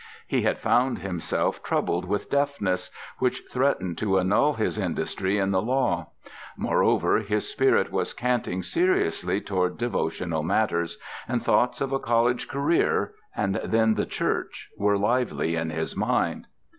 He had found himself troubled with deafness, which threatened to annul his industry in the law; moreover, his spirit was canting seriously toward devotional matters, and thoughts of a college career and then the church were lively in his mind.